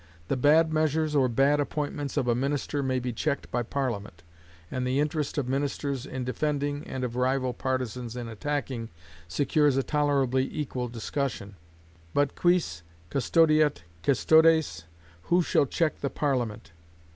The bad measures or bad appointments of a minister may be checked by Parliament; and the interest of ministers in defending, and of rival partisans in attacking, secures a tolerably equal discussion; but quis custodiet custodes? who shall check the Parliament?